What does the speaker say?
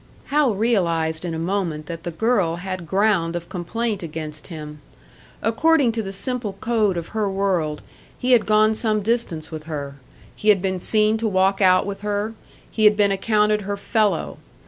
Hal realised in a moment that the girl had ground of complaint against him. According to the simple code of her world, he had gone some distance with her; he had been seen to walk out with her, he had been accounted her "fellow."